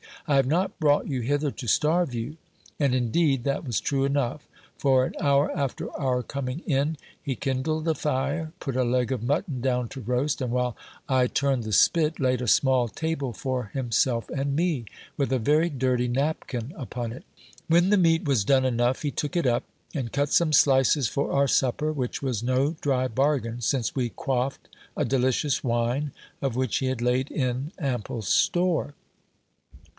I have not brought you hither to starve you. And in deed that was true enough ; for an hour after our coming in, he kindled a fire, 366 GIL BLAS. put a leg of mutton down to roast ; and while I turned the spit, laid a small table for himself and me, with a very dirty napkin upon it. When the meat was done enough he took it up, and cut some slices for our supper, which was no dry bargain, since we quaffed a delicious wine, of which he had laid in ample store.